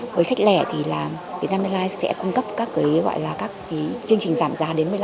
với khách lẻ thì việt nam airlines sẽ cung cấp các chương trình giảm giá đến một mươi năm